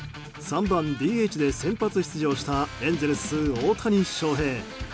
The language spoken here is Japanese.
３番ＤＨで先発出場したエンゼルス、大谷翔平。